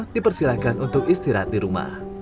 dipersilahkan untuk istirahat di rumah